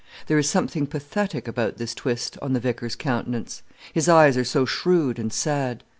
There is something pathetic about this twist on the vicar's countenance: his eyes are so shrewd and sad.